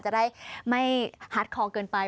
จะได้ไม่ฮาร์ดคอเกินไป